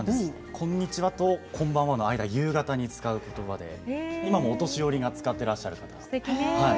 こんにちはとこんばんはの間の夕方に使うことばで、今もお年寄りが使っていらっしゃいます。